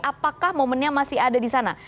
apakah momennya masih ada di sana